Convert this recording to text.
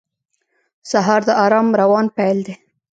سهار د آرام روان پیل دی.